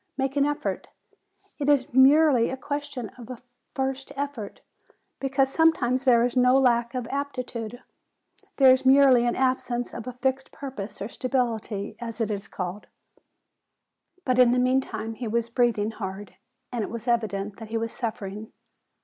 Make an effort. It is merely a question of a first effort : because sometimes there is no lack of aptitude; there is merely an absence of a fixed purpose of stability, as it is called." But in the meantime he was breathing hard; and it was evident that he was suffering.